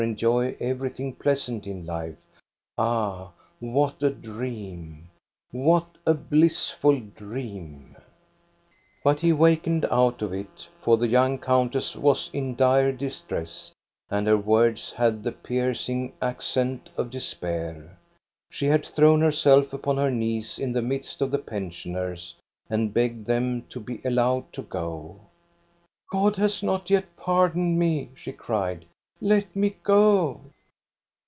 enjoy everything pleasant in life, ah, what a dream, what a blissful dream ! But he wakened out of it, for the young countess was in dire distress, and her words had the piercing accents of despair. She had thrown herself upon her knees in the midst of the pensioners and begged them to be allowed to go. " God has not yet pardoned me," she cried. " Let me go